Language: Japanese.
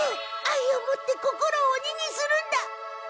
あいをもって心をおににするんだ！